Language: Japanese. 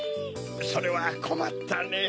それはこまったねぇ。